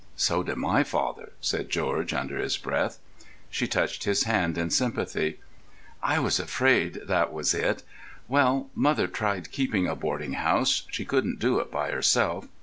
"So did my father," said George under his breath. She touched his hand in sympathy. "I was afraid that was it.... Well, mother tried keeping a boarding house. She couldn't do it by herself.